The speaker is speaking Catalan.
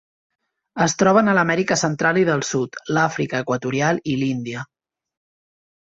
Es troben a l'Amèrica Central i del Sud, l'Àfrica equatorial i l'Índia.